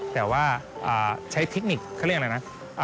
แต่ว่าใช้เทคนิคเขาเรียกอะไรนะ